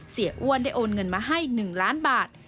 เสียอ้วนได้โอนเงินมาให้หนึ่งล้านบาท